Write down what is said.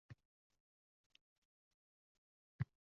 Katta o‘g‘li bilan qizi kulishdi.